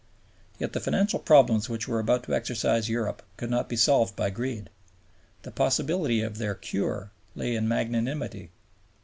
Yet the financial problems which were about to exercise Europe could not be solved by greed. The possibility of their cure lay in magnanimity.